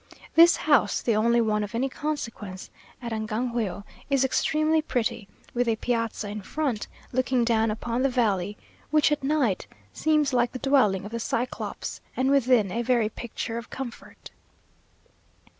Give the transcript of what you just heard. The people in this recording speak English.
This house, the only one of any consequence at Angangueo, is extremely pretty, with a piazza in front, looking down upon the valley, which at night seems like the dwelling of the Cyclops, and within a very picture of comfort.